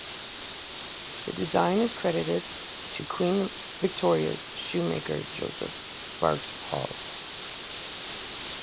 The design is credited to Queen Victoria's shoemaker Joseph Sparkes-Hall.